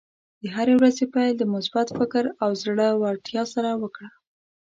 د هرې ورځې پیل د مثبت فکر او زړۀ ورتیا سره وکړه.